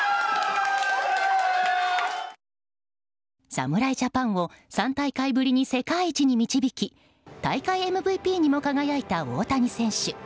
侍ジャパンを３大会ぶりに世界一に導き大会ＭＶＰにも輝いた大谷選手。